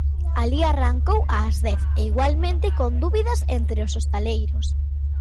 Alí arrancou ás dez e igualmente con dúbidas entre os hostaleiros.